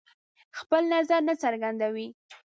خپل نظر نه څرګندوي.